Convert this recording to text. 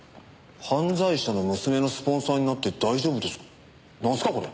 「犯罪者の娘のスポンサーになって大丈夫ですか？」